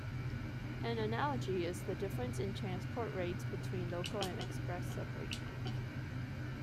An analogy is the difference in transport rates between local and express subway trains.